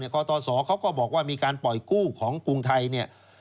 กตศเขาก็บอกว่ามีการปล่อยกู้ของกรุงไทยเนี่ย